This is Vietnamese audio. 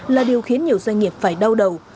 là điều khiến nhiều doanh nghiệp phải đau đầu